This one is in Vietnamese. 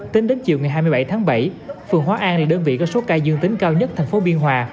tính đến chiều ngày hai mươi bảy tháng bảy phường hóa an là đơn vị có số ca dương tính cao nhất thành phố biên hòa